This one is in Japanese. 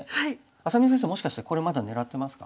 愛咲美先生もしかしてこれまだ狙ってますか？